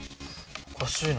おかしいな。